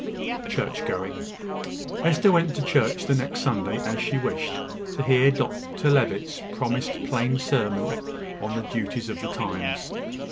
CHURCH GOING. Hester went to church the next Sunday, as she wished, to hear Dr Levitt's promised plain sermon on the duties of the times.